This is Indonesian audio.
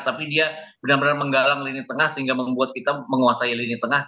tapi dia benar benar menggalang lini tengah sehingga membuat kita menguasai lini tengah